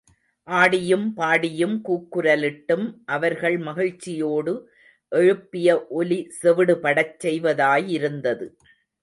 ஆடியும், பாடியும், கூக்குரலிட்டும் அவர்கள் மகிழ்ச்சியோடு எழுப்பிய ஒலி செவிடுபடச் செய்வதாயிருந்தது.